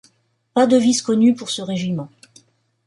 Pas devise connue pour ce régiment.